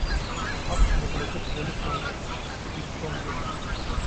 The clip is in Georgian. აქვს მოკლე და გრძელი ხმოვნები, დიფთონგები.